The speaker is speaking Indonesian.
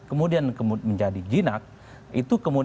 kemudian menjadi jinak